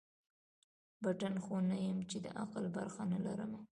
پتڼ خو نه یم چي د عقل برخه نه لرمه